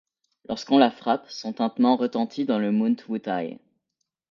Lorsqu'on la frappe, son tintement retentit dans le Mount Wutai.